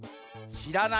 のらない。